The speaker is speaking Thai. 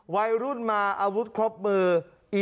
วัยรุ่นมาอาวุธครบมือ